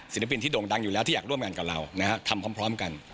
ปินที่โด่งดังอยู่แล้วที่อยากร่วมงานกับเรานะฮะทำพร้อมกัน